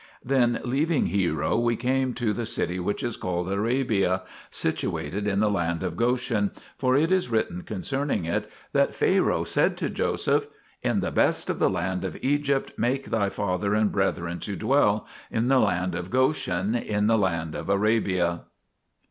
Then, leaving Hero, we came to the city which is called Arabia, situated in the land of Goshen, for it is written concerning it that Pharaoh said to Joseph, In the best of the land of Egypt make thy father and brethren to dwell, in the land of Goshen, in the land of A rabia?